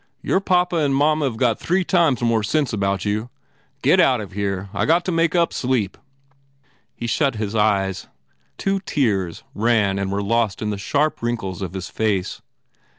Your papa and mamma Ve got three times more sense about you. Get out of here. I got to make up sleep." He shut his eyes. Two tears ran and were lost in the sharp wrinkles of his face.